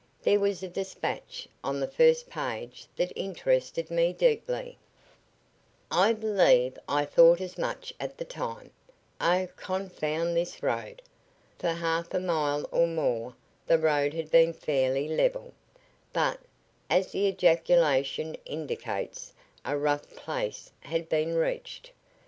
There was a despatch on the first page that interested me deeply." "I believe I thought as much at the time. Oh, confound this road!" For half a mile or more the road had been fairly level, but, as the ejaculation indicates, a rough place had been reached.